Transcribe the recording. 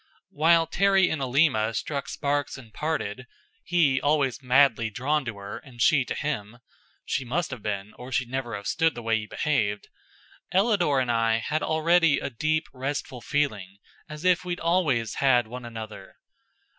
While Terry and Alima struck sparks and parted he always madly drawn to her and she to him she must have been, or she'd never have stood the way he behaved Ellador and I had already a deep, restful feeling, as if we'd always had one another.